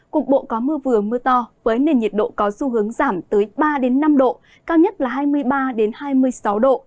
cục bộ có mưa vừa mưa to với nền nhiệt độ có xu hướng giảm tới ba năm độ cao nhất là hai mươi ba hai mươi sáu độ